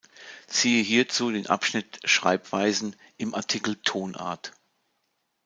Siehe hierzu den Abschnitt "Schreibweisen" im Artikel Tonart.